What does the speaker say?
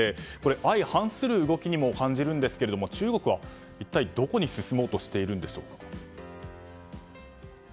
相反する動きにも感じるんですが中国は一体どこに進もうとしているんでしょうか？